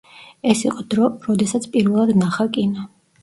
ეს იყო დრო, როდესაც პირველად ნახა კინო.